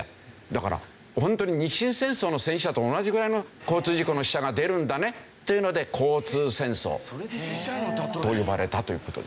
だからホントに日清戦争の戦死者と同じぐらいの交通事故の死者が出るんだねっていうので交通戦争と呼ばれたという事です。